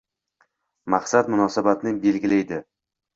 Maqsad munosabatni belgilaydi